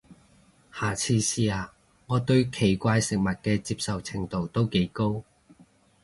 下次試下，我對奇怪食物嘅接受程度都幾高